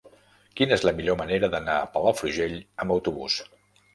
Quina és la millor manera d'anar a Palafrugell amb autobús?